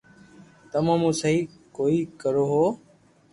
تمو مون سھي ڪوئي ڪرو ھون